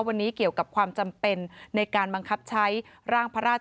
วันนี้เกี่ยวกับความจำเป็นในการบังคับใช้ร่างพระราช